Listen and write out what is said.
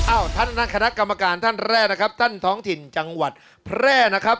ท่านคณะกรรมการท่านแรกนะครับท่านท้องถิ่นจังหวัดแพร่นะครับ